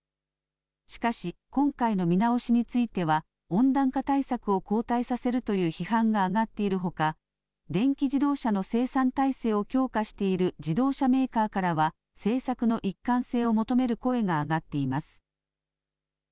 しかし今回の見直しについては温暖化対策を後退させるという批判が上がっているほか電気自動車の生産態勢を強化している自動車メーカーからは政策の一貫性を求める声が上がっています。